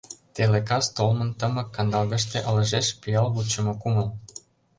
Теле кас толмын тымык кандалгыште Ылыжеш пиал вучымо кумыл.